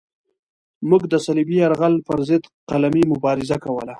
موږ د صلیبي یرغل پرضد قلمي مبارزه کوله.